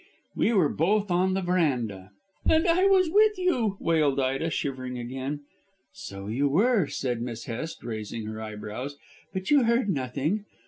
We were both on the verandah." "And I was with you," wailed Ida, shivering again. "So you were," said Miss Hest raising her eyebrows, "but you heard nothing.